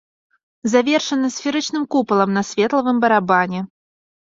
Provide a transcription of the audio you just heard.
Завершаны сферычным купалам на светлавым барабане.